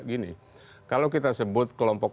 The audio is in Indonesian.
gini kalau kita sebut kelompok